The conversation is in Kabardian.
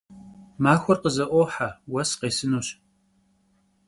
Maxuer khıze'ohe, vues khêsınuş.